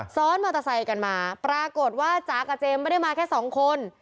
ซ้อนมอเตอร์ไซค์กันมาปรากฏว่าจ๋ากับเจมส์ไม่ได้มาแค่สองคน